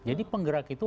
jadi penggerak itu